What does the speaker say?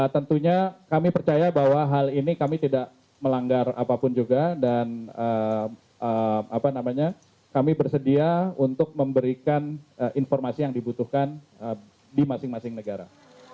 tentunya kami percaya bahwa hal ini kami tidak melanggar apapun juga dan kami bersedia untuk memberikan informasi yang dibutuhkan di masing masing negara